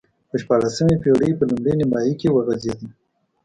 په شپاړسمې پېړۍ په لومړۍ نییمایي کې وغځېد.